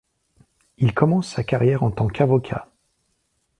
Il commence sa carrière en tant qu'avocat.